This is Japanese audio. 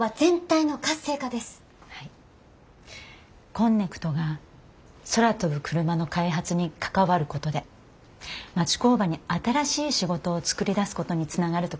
こんねくとが空飛ぶクルマの開発に関わることで町工場に新しい仕事を作り出すことにつながると考えてます。